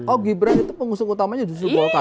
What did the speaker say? oh gibran itu pengusung utamanya justru golkar